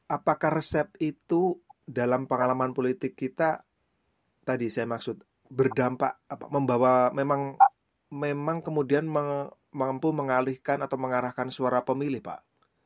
apakah resep itu dalam pengalaman politik kita tadi saya maksud berdampak membawa memang kemudian mampu mengalihkan atau mengarahkan suara pemilih pak